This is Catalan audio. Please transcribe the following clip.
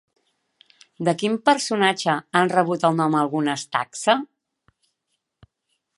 De quin personatge han rebut el nom algunes taxa?